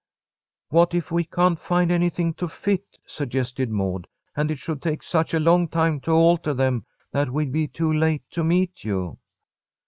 "What if we can't find anything to fit," suggested Maud, "and it should take such a long time to alter them that we'd be too late to meet you?"